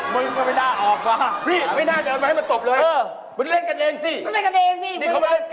มูกไอแฮคหรอ